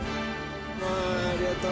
わありがとう！